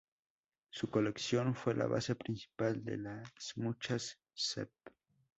Su colección fue la base principal de las muchas ssp.